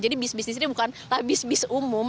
jadi bis bis di sini bukanlah bis bis umum